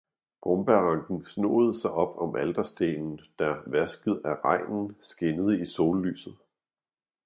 brombærranken snoede sig op om alterstenen, der, vasket af regnen, skinnede i sollyset.